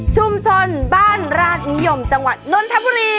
ชุมชนบ้านราชนิยมจังหวัดนนทบุรี